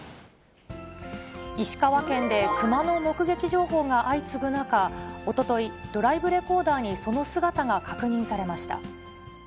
石川県で熊の目撃情報が相次ぐ中、おととい、ドライブレコーダーにその姿が確認されました。